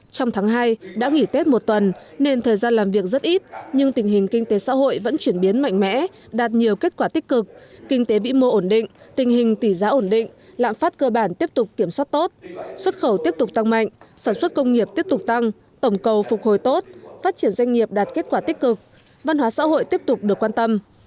trong tháng hai đã nghỉ tết một tuần nên thời gian làm việc rất ít nhưng tình hình kinh tế xã hội vẫn chuyển biến mạnh mẽ đạt nhiều kết quả tích cực kinh tế vĩ mô ổn định tình hình tỷ giá ổn định lãng phát cơ bản tiếp tục kiểm soát tốt xuất khẩu tiếp tục tăng mạnh sản xuất công nghiệp tiếp tục tăng tổng cầu phục hồi tốt phát triển doanh nghiệp đạt kết quả tích cực văn hóa xã hội tiếp tục được quan tâm